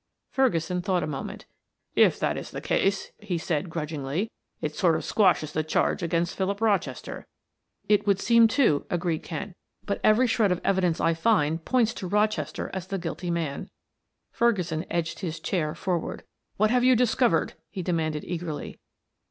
Ferguson thought a moment. "If that is the case," he said, grudgingly, "it sort of squashes the charge against Philip Rochester." "It would seem to," agreed Kent. "But every shred of evidence I find points to Rochester as the guilty man." Ferguson edged his chair forward. "What have you discovered?" he demanded eagerly.